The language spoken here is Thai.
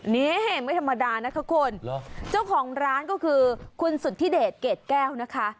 นี่ไม่ธรรมดานะคะคุณเจ้าของร้านก็คือคุณสุธิเดชเกรดแก้วนะคะ